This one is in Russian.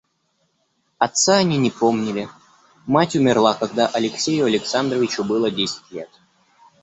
Отца они не помнили, мать умерла, когда Алексею Александровичу было десять лет.